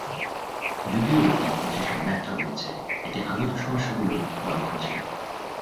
যদিও এই প্রচেষ্টা ব্যর্থ হয়েছে, এটি আগত সমস্যা গুলোর লক্ষণ ছিল।